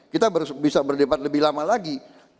kita bisa berdebat lebih lama lagi